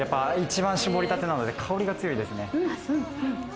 搾りたてなので香りが強いですね。